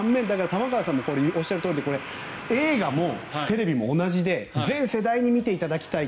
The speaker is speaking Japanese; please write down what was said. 玉川さんのおっしゃるとおりで映画もテレビも同じで全世代に見ていただきたい。